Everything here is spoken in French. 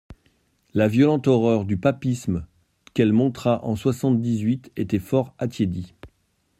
La violente horreur du papisme qu'elle montra en soixante-dix-huit était fort attiédie.